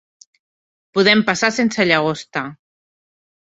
Podem passar sense llagosta.